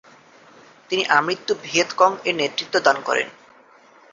তিনি আমৃত্যু ভিয়েত কং-এর নেতৃত্ব দান করেন।